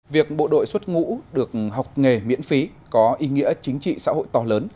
việc bộ đội xuất ngũ được học nghề miễn phí có ý nghĩa chính trị xã hội to lớn